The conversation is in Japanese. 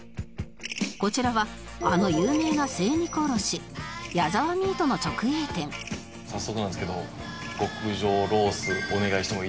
こちらはあの有名な精肉卸し早速なんですけど極上ロースお願いしてもいいですか？